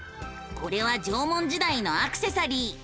これは縄文時代のアクセサリー。